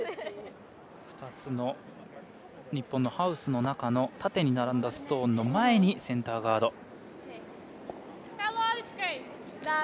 ２つの日本のハウスの中の縦に並んだストーンの前にセンターガード。